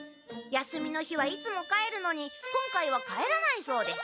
休みの日はいつも帰るのに今回は帰らないそうです。